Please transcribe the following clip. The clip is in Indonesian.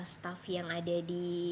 staff yang ada di